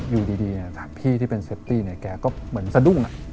อยู่ดีพี่ที่เป็นเซฟตี้เนี่ยแกก็เหมือนสะดุ้ง